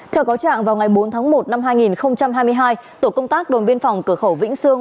theo cáo trạng vào ngày bốn tháng một năm hai nghìn hai mươi hai tổ công tác đồn biên phòng cửa khẩu vĩnh sương